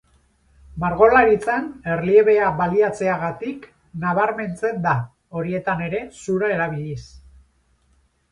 Margolaritzan, erliebea baliatzeagatik nabarmentzen da, horietan ere zura erabiliz.